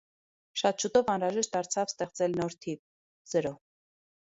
Շատ շուտով անհրաժեշտ դարձավ ստեղծել նոր թիվ՝ զրո։